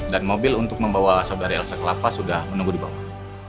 dan mobil untuk membawa saudari elsa ke laplas sudah menunggu di bawah